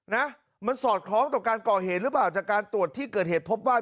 นะมันสอดคล้องต่อการก่อเหตุหรือเปล่าจากการตรวจที่เกิดเหตุพบว่า